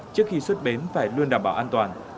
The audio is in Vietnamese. trước khi xuất bến phải luôn đảm bảo an toàn